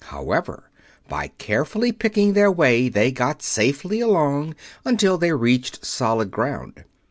However, by carefully picking their way, they got safely along until they reached solid ground.